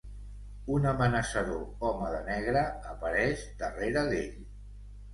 Un amenaçador home de negre apareix darrere d'ell.